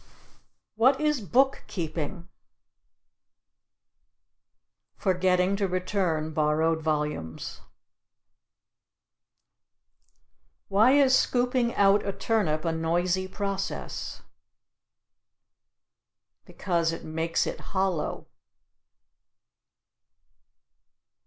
What is book keeping? Forgetting to return borrowed volumes. Why is scooping out a turnip a noisy process? Because it makes it hollow.